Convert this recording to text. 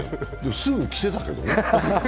すぐ着てたけどね。